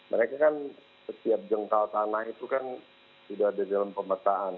mereka kan setiap jengkal tanah itu kan sudah ada dalam pemetaan